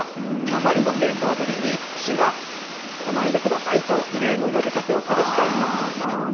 あまりの盛況ぶりに市が来ないでくださいと異例の呼びかけをする事態になったと。